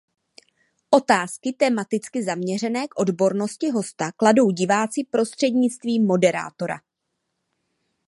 Otázky tematicky zaměřené k odbornosti hosta kladou diváci prostřednictvím moderátora.